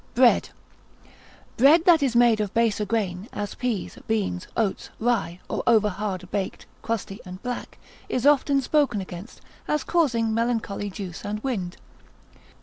Bread.] Bread that is made of baser grain, as peas, beans, oats, rye, or over hard baked, crusty, and black, is often spoken against, as causing melancholy juice and wind.